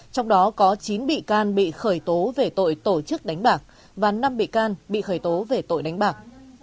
trong đó có chín bị can bị khởi tố về tội tổ chức đánh bạc và năm bị can bị khởi tố về tội đánh bạc